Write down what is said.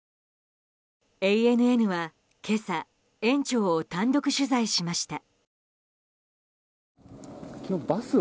ＡＮＮは今朝園長を単独取材しました。